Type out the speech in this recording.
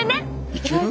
いける？